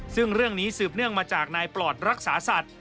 ซึ่งเรื่องนี้สืบเนื่องมาจากนายปลอดรักษาสัตว์